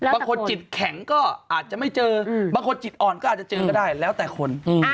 จิตแข็งก็อาจจะไม่เจอบางคนจิตอ่อนก็อาจจะเจอก็ได้แล้วแต่คน